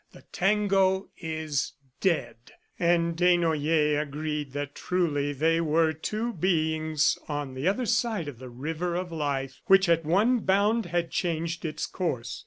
The tango is dead." And Desnoyers agreed that truly they were two beings on the other side of the river of life which at one bound had changed its course.